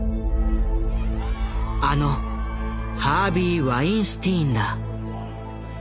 あのハービー・ワインスティーンだ。